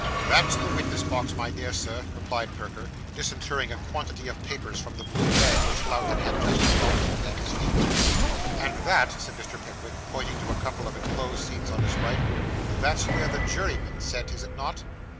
'That's the witness box, my dear sir,' replied Perker, disinterring a quantity of papers from the blue bag, which Lowten had just deposited at his feet. 'And that,' said Mr. Pickwick, pointing to a couple of enclosed seats on his right, 'that's where the jurymen sit, is it not?